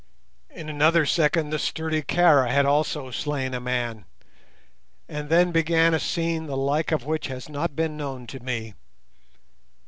In another second the sturdy Kara had also slain a man, and then began a scene the like of which has not been known to me.